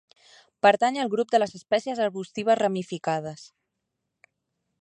Pertany al grup de les espècies arbustives ramificades.